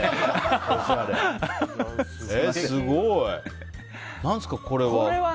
すごい。何ですか、これは。